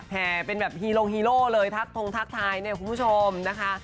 เป็นแบบฮีโรฮีโร่เลยทักทงทักทายเนี่ยคุณผู้ชมนะคะ